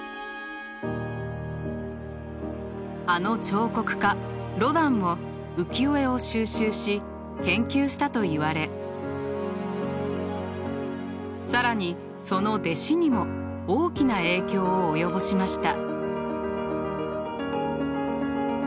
あの彫刻家ロダンも浮世絵を収集し研究したといわれ更にその弟子にも大きな影響を及ぼしました。